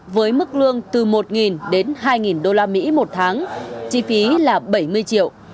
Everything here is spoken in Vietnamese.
với mức lương từ một đến hai đô la mỹ một tháng chi phí là bảy mươi triệu